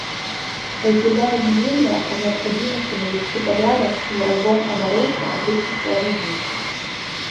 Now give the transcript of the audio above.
Разделяем мнение о необходимости навести порядок в мировом обороте обычных вооружений.